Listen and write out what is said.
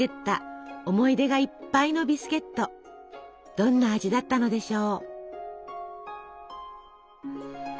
どんな味だったのでしょう。